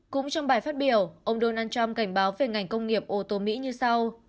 cũng trong bài phát biểu ông donald trump cảnh báo về ngành công nghiệp ô tô mỹ như sau